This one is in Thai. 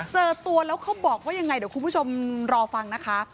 เจอตัวแล้วเขาบอกว่ายังไงเดี๋ยวคุณผู้ชมรอฟังนะคะ